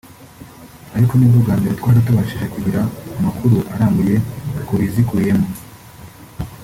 ariko nibwo bwambere twari tubashije kugira amakuru arambuye kubizikubiyemo